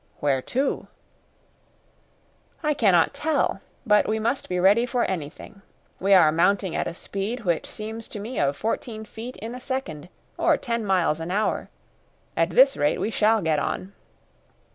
"Where to?" "I cannot tell; but we must be ready for anything. We are mounting at a speed which seems to me of fourteen feet in a second, or ten miles an hour. At this rate we shall get on."